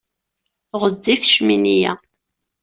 Ɣezzif ccmini-ya.